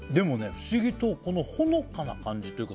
不思議とほのかな感じというか